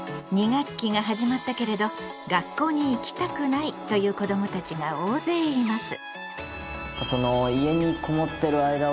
２学期が始まったけれど「学校に行きたくない」という子どもたちが大勢います。